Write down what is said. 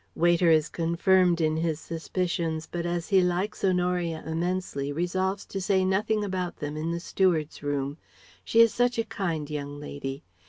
Waiter is confirmed in his suspicions, but as he likes Honoria immensely resolves to say nothing about them in the Steward's room. She is such a kind young lady.